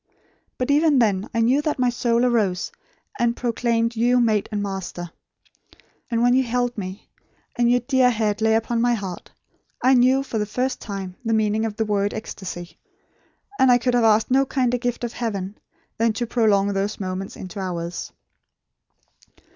But even then I knew that my soul arose and proclaimed you mate and master. And when you held me, and your dear head lay upon my heart, I knew, for the first time the meaning of the word ecstasy; and I could have asked no kinder gift of heaven, than to prolong those moments into hours."